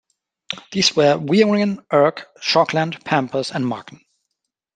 These were Wieringen, Urk, Schokland, Pampus, and Marken.